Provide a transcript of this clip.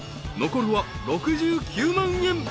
［残るは６９万円］